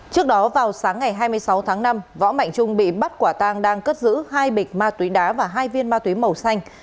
trước đó vào sáng ngày hai mươi sáu tháng năm võ mạnh trung bị bắt quả tang đang cất giữ hai bịch ma túy đá và hai viên ma túy màu xanh